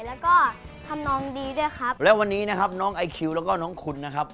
แล้วก็ทำนองดีด้วยครับแล้ววันนี้นะครับน้องไอคิวแล้วก็น้องคุณนะครับ